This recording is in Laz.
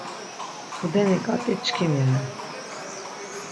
Tudeni ǩat̆i çkimi ren.